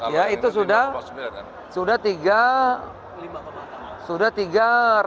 ya itu sudah rp tiga ratus tiga puluh miliar